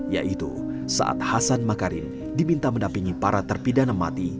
yaitu saat hasan makarim diminta mendampingi para terpidana mati